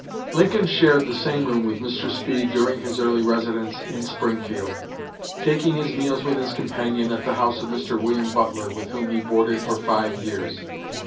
Lincoln shared the same room with Mr. Speed during his early residence in Springfield, taking his meals with his companion at the house of Mr. William Butler, with whom he boarded for five years.